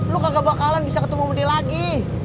lo gak bakalan bisa ketemu sama dia lagi